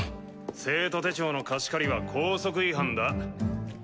生徒手帳の貸し借りは校則違反だ。